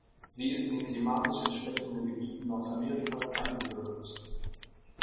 Sie ist in klimatisch entsprechenden Gebieten Nordamerikas eingebürgert.